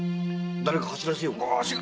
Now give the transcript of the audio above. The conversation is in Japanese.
誰か走らせようか？